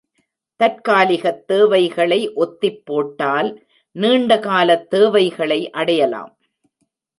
தற்காலிகத் தேவைகளை ஒத்திப் போட்டால் நீண்ட காலத் தேவைகளை அடையலாம்.